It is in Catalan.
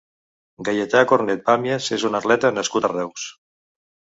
Gaietà Cornet Pàmies és un atleta nascut a Reus.